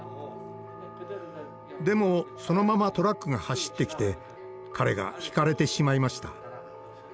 でもそのままトラックが走ってきて彼がひかれてしまいました。